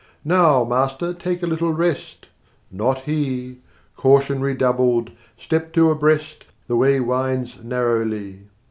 "Now, master, take a little rest!" not he! (Caution redoubled, 90 Step two abreast, the way winds narrowly!)